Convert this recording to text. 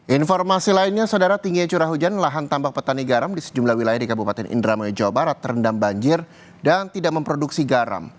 informasi lainnya saudara tinggi curah hujan lahan tambak petani garam di sejumlah wilayah di kabupaten indramayu jawa barat terendam banjir dan tidak memproduksi garam